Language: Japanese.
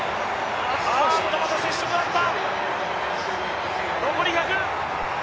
また接触があった。